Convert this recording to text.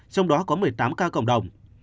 trong đó có một mươi tám ca cộng đồng